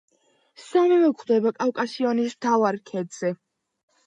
სამივე გვხვდება კავკასიონის მთავარ ქედზე.